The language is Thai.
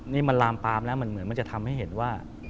นี่มันลามปามแล้วมันเหมือนมันจะทำให้เห็นว่า